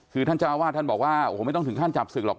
คือท่านเจ้าอาวาสท่านบอกว่าโอ้โหไม่ต้องถึงขั้นจับศึกหรอก